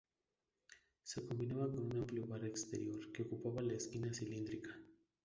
Se combinaba con un amplio bar exterior que ocupaba la esquina cilíndrica.